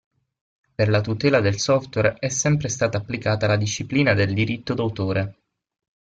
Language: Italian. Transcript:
Per la tutela del software è sempre stata applicata la disciplina del diritto d'autore.